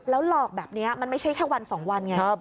หลอกแบบนี้มันไม่ใช่แค่วัน๒วันไง